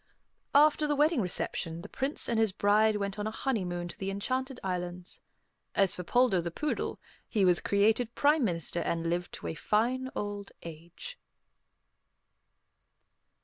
After the wedding reception, the Prince and his bride went on a honeymoon to the Enchanted Islands. As for Poldo the poodle, he was created Prime Minister and lived to a fine old age.